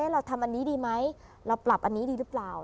เราทำอันนี้ดีไหมเราปรับอันนี้ดีหรือเปล่า